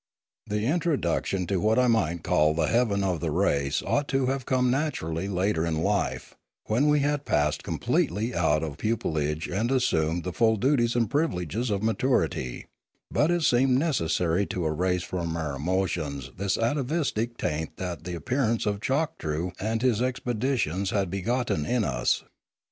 The introduction to what I might call the 232 Limanora heaven of the race ought to have come naturally later in life, when we had passed completely out of pupilage and assumed the full duties and privileges of maturity; but it seemed necessary to erase from our emotions this atavistic taint that the appearance of Choktroo and his expeditions had begotten iu us.